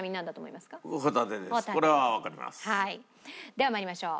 では参りましょう。